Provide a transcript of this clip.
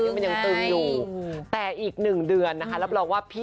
แผ่งมันตึงยังอยู่